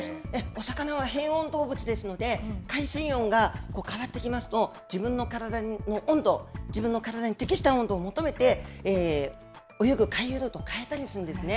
お魚は変温動物ですので、海水温が変わってきますと、自分の体の温度、自分の体に適した温度を求めて泳ぐ回遊ルートを変えたりするんですね。